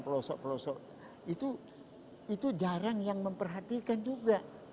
pelosok pelosok itu jarang yang memperhatikan juga